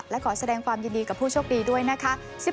และขอแสดงความยินดีกับผู้โชคดีด้วยนะคะ